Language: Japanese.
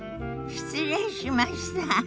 失礼しました。